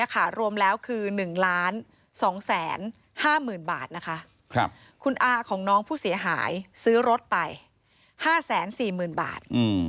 คุณอ้าของน้องผู้เสียหายซื้อรถไป๕๔๐๐๐๐บาท